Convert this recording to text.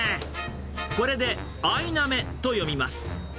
これでアイナメと読みます。